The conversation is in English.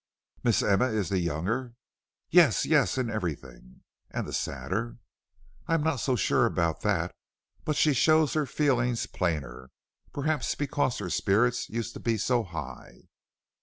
"Miss Emma is the younger?" "Yes, yes, in everything." "And the sadder!" "I am not so sure about that, but she shows her feelings plainer, perhaps because her spirits used to be so high."